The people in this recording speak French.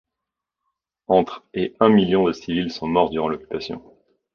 Entre et un million de civils sont morts durant l'occupation.